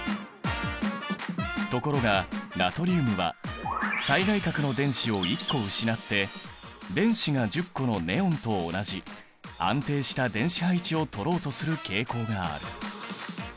ところがナトリウムは最外殻の電子を１個失って電子が１０個のネオンと同じ安定した電子配置をとろうとする傾向がある。